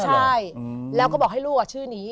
ใช่แล้วก็บอกให้ลูกชื่อนี้